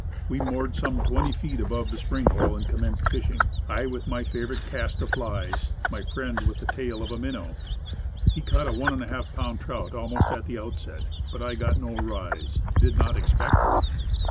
We moored some twenty feet above the spring hole, and commenced fishing. I with my favorite cast of flies, my friend with the tail of a min now. He caught a 1}^ pound trout almost at the outset, but I got no rise; did not expect it.